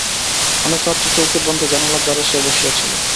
অনেক রাত্রে চৌকির প্রান্তে জানালার ধারে সে বসিয়া ছিল।